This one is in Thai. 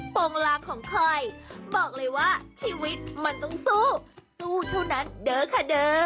โปรดติดตามตอนต่อไป